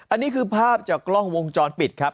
อันนี้คือภาพจากกล้องวงจรปิดครับ